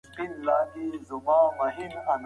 وخت تر هر څه ارزښتمن دی.